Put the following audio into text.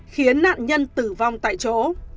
khiến nạn nhân tử vong tại chỗ